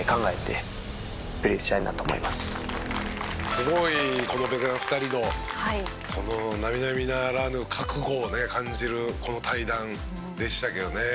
すごいこのベテラン２人の並々ならぬ覚悟を感じるこの対談でしたけどね。